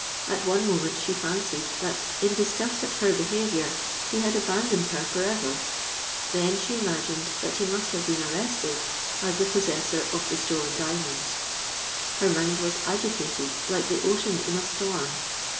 At one moment she fancied that, in disgust at her behaviour, he had abandoned her for ever: then she imagined that he must have been arrested as the possessor of the stolen diamonds. Her mind was agitated like the ocean in a storm.